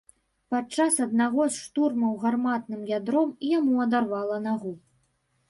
Падчас аднаго з штурмаў гарматным ядром яму адарвала нагу.